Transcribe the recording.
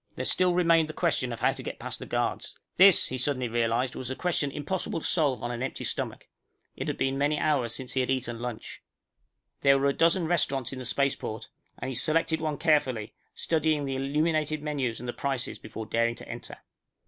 There still remained the question of how to get past the guards. This, he suddenly realized, was a question impossible to solve on an empty stomach. It had been many hours since he had eaten lunch. There were a dozen restaurants in the spaceport, and he selected one carefully, studying the illuminated menus and the prices before daring to enter.